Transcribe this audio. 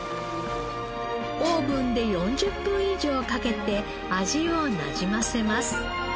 オーブンで４０分以上かけて味をなじませます。